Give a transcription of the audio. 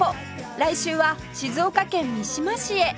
来週は静岡県三島市へ